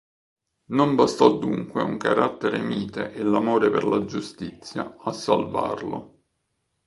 Non bastò dunque un carattere mite e l'amore per la giustizia a salvarlo.